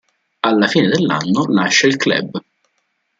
Alla fine dell'anno lascia il club.